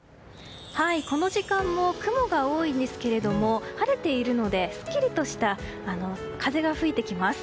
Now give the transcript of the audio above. この時間も雲が多いんですけれども晴れているのですっきりとした風が吹いてきます。